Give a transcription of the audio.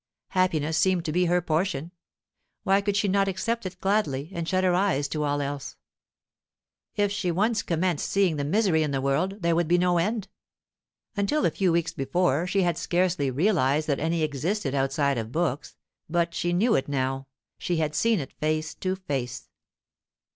Happiness seemed to be her portion. Why could she not accept it gladly, and shut her eyes to all else? If she once commenced seeing the misery in the world, there would be no end. Until a few weeks before she had scarcely realized that any existed outside of books, but she knew it now; she had seen it face to face.